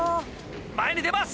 前に出ます。